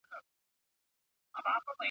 نه پلار ګوري نه خپلوان او نه تربرونه ..